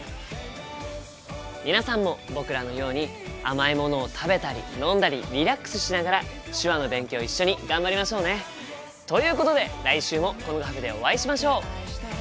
皆さんも僕らのように甘いものを食べたり飲んだりリラックスしながら手話の勉強一緒に頑張りましょうね！ということで来週もこのカフェでお会いしましょう！